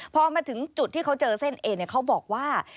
พอมาถึงจุดที่เขาเจอเส้นเอนเขาบอกว่า